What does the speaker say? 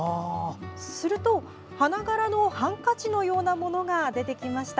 すると、花柄のハンカチのようなものが出てきました。